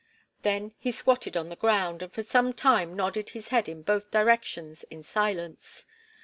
Then he squatted on the ground, and for some time nodded his head in both directions in silence.